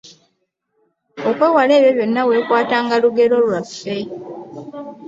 Okwewala ebyo byonna weekwatanga lugero lwaffe.